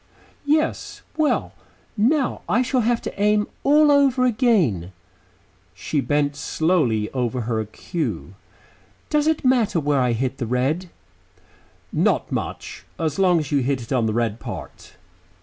"Yes. Well, now I shall have to aim all over again." She bent slowly over her cue. "Does it matter where I hit the red?" "Not much. As long as you hit it on the red part."